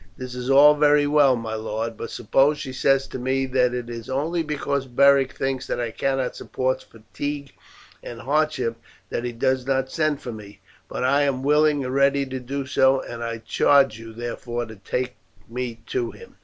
"That is all very well, my lord; but suppose she says to me it is only because Beric thinks that I cannot support fatigue and hardship that he does not send for me; but I am willing and ready to do so, and I charge you, therefore, to take me to him."